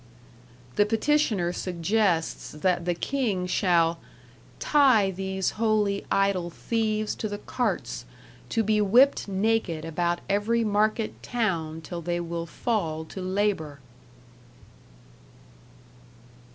The petitioner suggests that the king shall "tie these holy idell theves to the cartes, to be whipped naked about every market towne till they will fall to laboure!"